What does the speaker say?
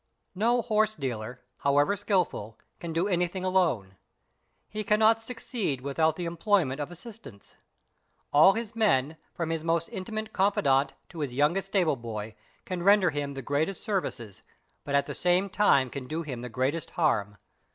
No_ horse dealer, however skilful, can do anything alone; he can not succeed without the employment of assistants; all his men, from his most intimate confidant to his youngest stable boy, can render him the greatest services but at the same time can do him the greatest harm.